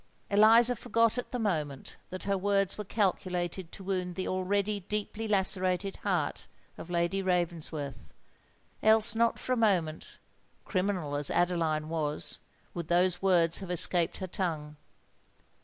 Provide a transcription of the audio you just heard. Eliza forgot at the moment that her words were calculated to wound the already deeply lacerated heart of Lady Ravensworth;—else not for a moment—criminal as Adeline was—would those words have escaped her tongue.